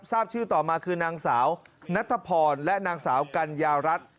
ทราบชื่อต่อมาคือนางสาวนัทพรและนางสาวกัญญารัฐ